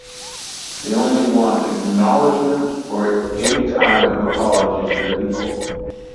They only want "acknowledgement or any kind of apology to the people".